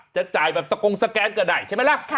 จะจ่ายแบบสกงสแกนก็ได้ใช่ไหมล่ะ